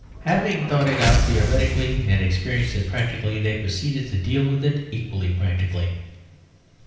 Having thought it out theoretically and experienced it practically, they proceeded to deal with it equally practically.